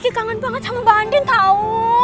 kiki kangen banget sama bandin tau